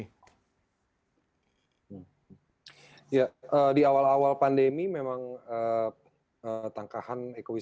ya dengan penduduk di sekitar dari tangkahan sendiri gitu untuk bisa dikatakan membuat wisata ini tetap survive gitu niko di tengah pandemi seperti ini